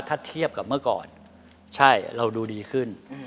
ถ้าเทียบกับเมื่อก่อนใช่เราดูดีขึ้น